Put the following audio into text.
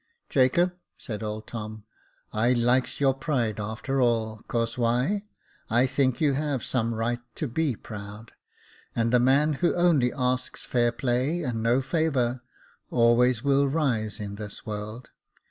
Jacob," said old Tom, " I likes your pride after all, 'cause why, I think you have some right to be proud ; and the man who only asks fair play, and no favour, always will rise in this world.